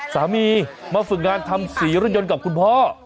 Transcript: สามีมาฝึกงานทำสีรถยนต์กับคุณพ่อ